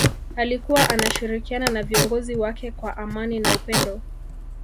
alikuwa anashirikiana na viongozi wake kwa amani na upendo